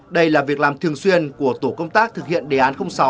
đây là việc làm thường xuyên của tổ công tác thực hiện đề án sáu